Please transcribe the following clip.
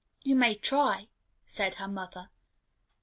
"You may try," said her mother.